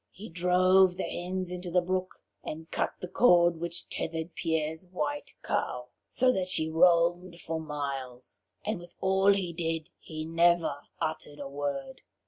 He drove the hens into the brook, and cut the cord which tethered Pierre's white cow, so that she roamed for miles. And with all he did, he never uttered a word.